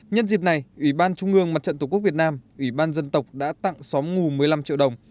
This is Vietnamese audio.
nhân dịp này ủy ban trung ương mặt trận tổ quốc việt nam ủy ban dân tộc đã tặng xóm ngủ một mươi năm triệu đồng